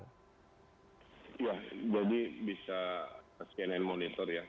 ya jadi bisa cnn monitor ya